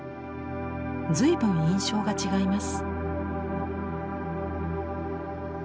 随分印象が違います。